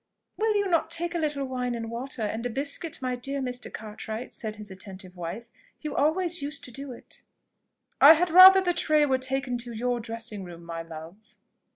"Will you not take a little wine and water, and a biscuit, my dear Mr. Cartwright?" said his attentive wife. "You always used to do it." "I had rather the tray were taken to your dressing room, my love."